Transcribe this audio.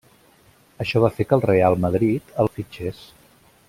Això va fer que el Real Madrid el fitxés.